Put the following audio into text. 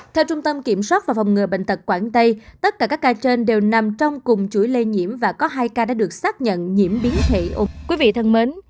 theo trung tâm kiểm soát và phòng ngừa bệnh tật quảng tây tất cả các ca trên đều nằm trong cùng chuỗi lây nhiễm và có hai ca đã được xác nhận nhiễm biến thị